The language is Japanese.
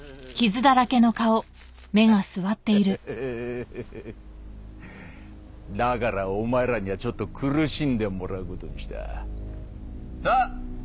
ヘッヘヘヘヘだからお前らにはちょっと苦しんでもらうことにしたさあ